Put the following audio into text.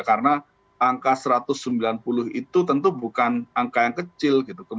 karena angka satu ratus sembilan puluh itu tentu bukan angka yang kecil gitu